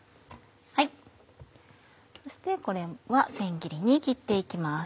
そしてこれは千切りに切って行きます。